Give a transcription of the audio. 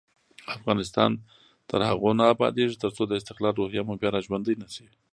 افغانستان تر هغو نه ابادیږي، ترڅو د استقلال روحیه مو بیا راژوندۍ نشي.